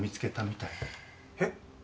えっ？